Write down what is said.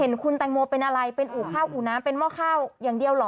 คุณแตงโมเป็นอะไรเป็นอู่ข้าวอู่น้ำเป็นหม้อข้าวอย่างเดียวเหรอ